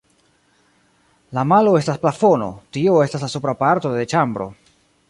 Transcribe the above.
La malo estas plafono, tio estas la supra parto de ĉambro.